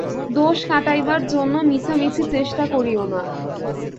দোষ কাটাইবার জন্য মিছামিছি চেষ্টা করিও না!